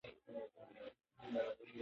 مرچک خواړه توند او خوندور کوي.